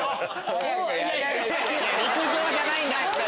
陸上じゃないんだって！